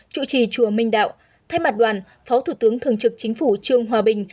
chủ trì chùa minh đạo thay mặt đoàn phó thủ tướng thường trực chính phủ trương hòa bình